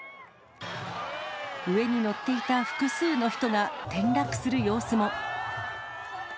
上に乗っていた複数の人が転落する様子も。